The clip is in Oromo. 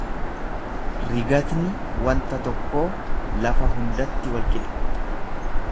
Rigatni wanta tokkoo lafa hundatti walqixa.